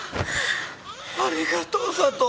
ありがとう佐都。